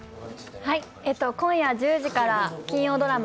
今夜１０時から金曜ドラマ